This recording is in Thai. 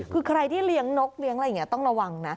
คือใครที่เลี้ยงนกเลี้ยงอะไรอย่างนี้ต้องระวังนะ